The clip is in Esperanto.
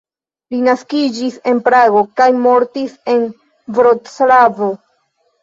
Li naskiĝis en Prago kaj mortis en Vroclavo.